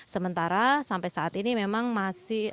sementara sampai saat ini memang masih